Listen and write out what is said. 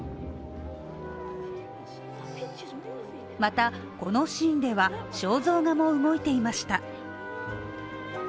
また、このシーンでは肖像画も動いていました。